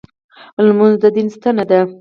لمونځ د دین ستن ده.